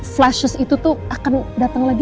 flashes itu tuh akan datang lagi